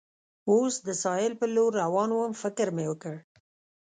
اوس د ساحل پر لور روان ووم، فکر مې وکړ.